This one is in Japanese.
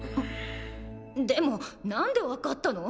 でもなんで分かったの？